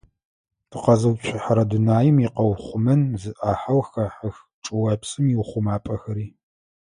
Тыкъэзыуцухьэрэ дунаим икъэухъумэн зы ӏахьэу хэхьэх чӏыопсым иухъумапӏэхэри.